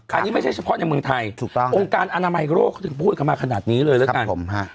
อันนี้ไม่ใช่เฉพาะในเมืองไทยถูกต้ององค์การอนามัยโรคเขาถึงพูดกันมาขนาดนี้เลยแล้วกัน